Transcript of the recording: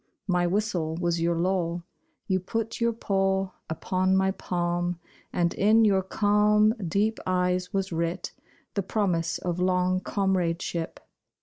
My whistle was your law, You put your paw Upon my palm, And in your calm, deep eyes was writ The promise of long comradeship.